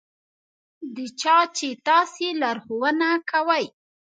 د چا چې تاسې لارښوونه کوئ.